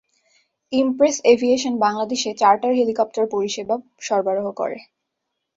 Impress aviation বাংলাদেশে charter helicopter পরিসেবা সরবরাহ করে।